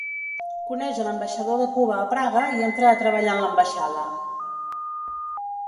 Coneix a l'ambaixador de Cuba a Praga i entra a treballar en l'ambaixada.